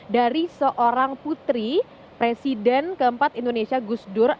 dari seorang putri presiden keempat indonesia gus dur